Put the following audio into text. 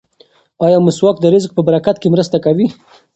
ایا مسواک د رزق په برکت کې مرسته کوي؟